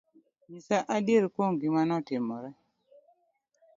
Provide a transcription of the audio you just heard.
Nyisa adier kuom gima notimore